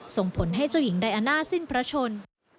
ส่งผลให้เจ้าหญิงไดอาน่าสิ้นพระชน